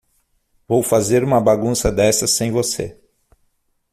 Vou fazer uma bagunça dessas sem você.